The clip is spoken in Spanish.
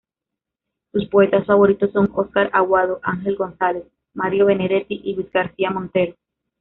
Sus poetas favoritos son Óscar Aguado, Ángel González, Mario Benedetti y Luis García Montero.